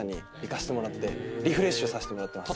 リフレッシュさせてもらってます。